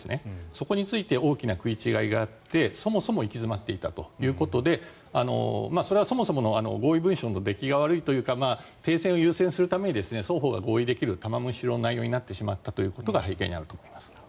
そこについて大きな食い違いがあってそもそも行き詰まっていたということでそれはそもそもの合意文書の出来が悪いというか停戦を優先するために双方が合意できる玉虫色の内容になってしまったということが背景にあると思います。